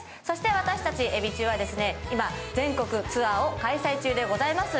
私たちエビ中は今、全国ツアーを開催中でございます。